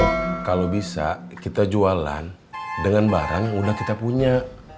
kalau bisa kita jualan dengan barang yang sudah kita punya